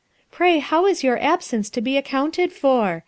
P ny h U your absence to be accounted for?